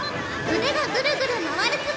腕がぐるぐる回るツボ！